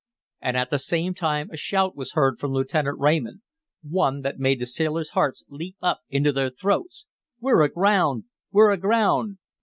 And at the same time a shout was heard from Lieutenant Raymond, one that made the sailors' hearts leap up into their throats: "We're aground! We're aground!"